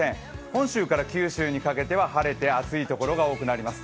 本州から九州にかけては晴れて暑い所が多くなります。